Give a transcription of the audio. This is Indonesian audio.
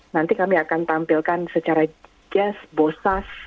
nanti kami akan tampilkan secara yes bosas